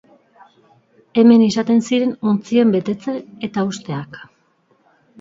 Hemen izaten ziren ontzien betetze eta husteak.